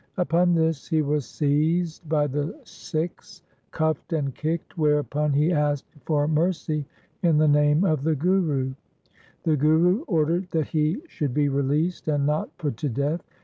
Upon this he was seized by the Sikhs, cuffed and kicked, whereupon he asked for mercy in the name of the Guru. The Guru ordered that he should be released and not put to death.